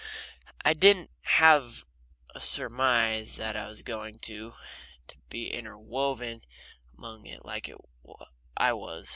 I didn't have a surmise that I was going to be interwoven among it like I was.